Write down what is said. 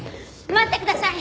待ってください！